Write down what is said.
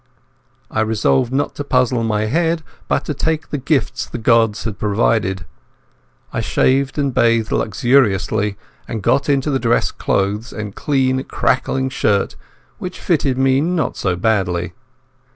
I resolved not to puzzle my head but to take the gifts the gods had provided. I shaved and bathed luxuriously, and got into the dress clothes and clean crackling shirt, which fitted me not so badly.